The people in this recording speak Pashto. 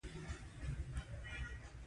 او استازی یې په چترال کې واکمن وي.